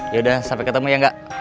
yaudah sampai ketemu ya nggak